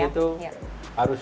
jadi spending itu harus